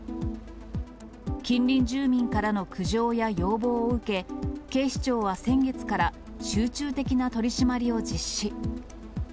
近隣住民からの苦情や要望を受け、警視庁は先月から、集中的な取締りを実施。